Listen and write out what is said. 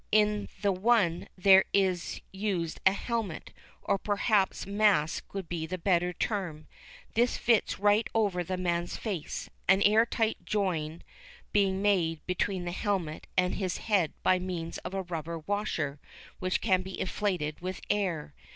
In the one there is used a helmet, or perhaps mask would be the better term. This fits right over the man's face, an air tight joint being made between the helmet and his head by means of a rubber washer which can be inflated with air.